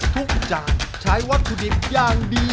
จานใช้วัตถุดิบอย่างดี